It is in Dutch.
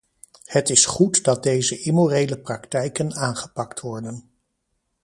Het is goed dat deze immorele praktijken aangepakt worden.